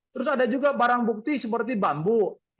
terus ada juga barang bukti seperti bambu